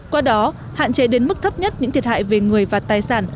qua đó hạn chế đến mức thấp nhất những thiệt hại về người và tài sản